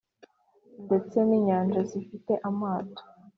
ndetse n’inyanja zifite amato